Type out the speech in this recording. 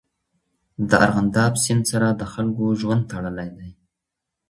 د ارغنداب سیند سره د خلکو ژوند تړلی دی.